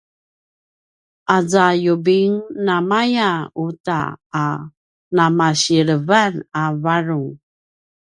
aza yubing namaya uta a namasilevan a varung